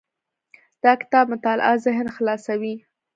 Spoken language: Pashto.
د کتاب مطالعه ذهن خلاصوي.